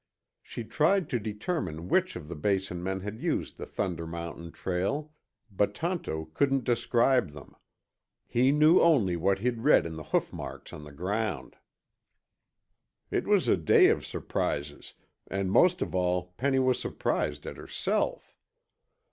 She tried to determine which of the Basin men had used the Thunder Mountain trail, but Tonto couldn't describe them. He knew only what he'd read in the hoofmarks on the ground. It was a day of surprises, and most of all Penny was surprised at herself.